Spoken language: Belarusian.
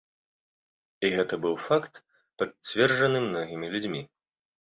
І гэта быў факт, пацверджаны многімі людзьмі.